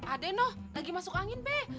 ada eno lagi masuk angin be